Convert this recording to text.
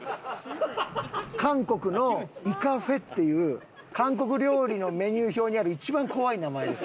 韓国のイカフェっていう韓国料理のメニュー表にある一番怖い名前です。